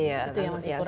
itu yang masih kurang